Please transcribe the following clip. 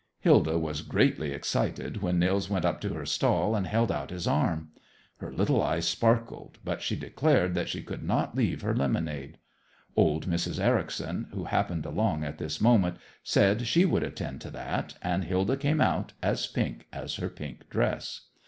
Hilda was greatly excited when Nils went up to her stall and held out his arm. Her little eyes sparkled, but she declared that she could not leave her lemonade. Old Mrs. Ericson, who happened along at this moment, said she would attend to that, and Hilda came out, as pink as her pink dress.